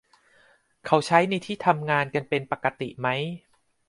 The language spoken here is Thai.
เขาใช้ในที่ทำงานกันเป็นปกติไหม